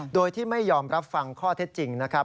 โดยที่ไม่ยอมรับฟังข้อเท็จจริงนะครับ